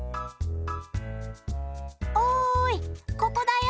おいここだよ！